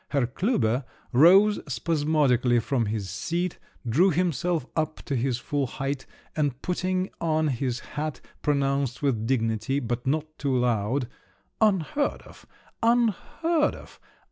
Herr Klüber rose spasmodically from his seat, drew himself up to his full height, and putting on his hat pronounced with dignity, but not too loud, "Unheard of! Unheard of!